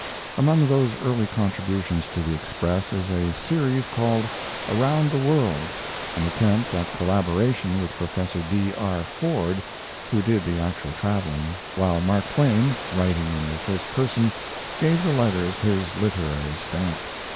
Among those early contributions to the Express is a series called "Around the World," an attempt at collaboration with Prof. D. R. Ford, who did the actual traveling, while Mark Twain, writing in the first person, gave the letters his literary stamp.